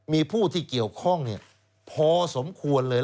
มีผู้ที่เกี่ยวข้องพอสมควรเลย